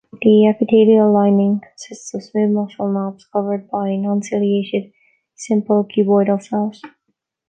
The epithelial lining consists of smooth muscle knobs covered by nonciliated, simple cuboidal cells.